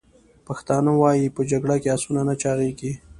پښتانه وایي: « په جګړه کې اسونه نه چاغیږي!»